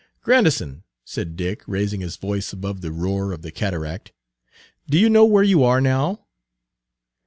"Grandison," said Dick, raising his voice above the roar of the cataract, "do you know where you are now?"